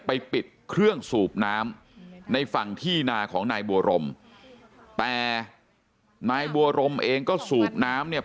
ปิดเครื่องสูบน้ำในฝั่งที่นาของนายบัวรมแต่นายบัวรมเองก็สูบน้ำเนี่ย